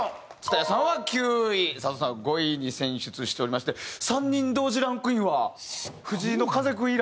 蔦谷さんは９位佐藤さんは５位に選出しておりまして３人同時ランクインは藤井の風君以来？